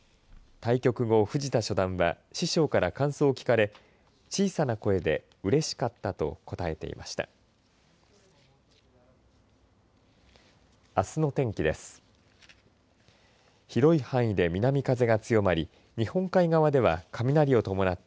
対局後、藤田初段は師匠から感想を聞かれ小さな声でうれしかったと答えていました。